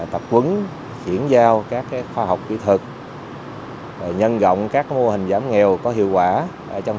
tập quấn chuyển giao các khoa học kỹ thuật nhân rộng các mô hình giảm nghèo có hiệu quả trong